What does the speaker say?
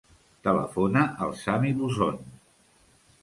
Telefona al Sami Bouzon.